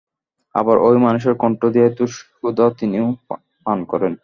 আবার ঐ মানুষের কণ্ঠ দিয়াই তো সুধা তিনিও পান করেন।